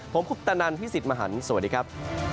ผมคุปตะนันพี่สิทธิ์มหันฯสวัสดีครับ